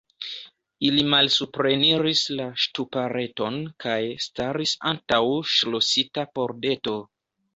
Ili malsupreniris la ŝtupareton kaj staris antaŭ ŝlosita pordeto.